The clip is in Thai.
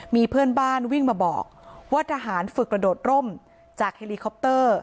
มีเพื่อนบ้านวิ่งมาบอกว่าทหารฝึกกระโดดร่มจากเฮลิคอปเตอร์